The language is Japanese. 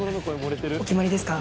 お決まりですか？